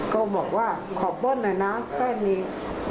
เขาบอกว่าขอป้นหน่อยนะแค่นี้